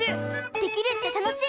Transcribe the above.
できるって楽しい！